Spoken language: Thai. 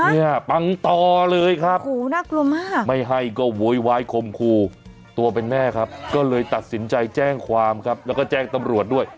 เนี่ยปังต่อเลยครับโอ้โหน่ากลัวมากไม่ให้ก็โวยวายคมครูตัวเป็นแม่ครับก็เลยตัดสินใจแจ้งความครับแล้วก็แจ้งตำรวจด้วย